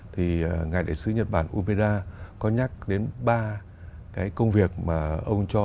thì ngài đại sứ nhật bản upeda có nhắc đến ba cái công việc mà ông cho